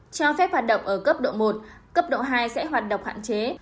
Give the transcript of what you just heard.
cho phép hoạt động ở cấp độ một cấp độ hai sẽ hoạt động hạn chế